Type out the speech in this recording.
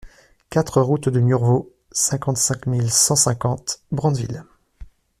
quatre route de Murvaux, cinquante-cinq mille cent cinquante Brandeville